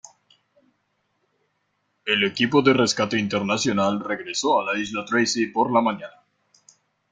El equipo de Rescate Internacional regreso a la Isla Tracy por la mañana.